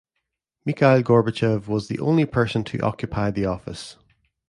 Mikhail Gorbachev was the only person to occupy the office.